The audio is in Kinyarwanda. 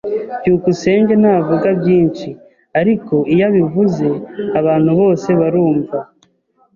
byukusenge ntavuga byinshi, ariko iyo abivuze, abantu bose barumva.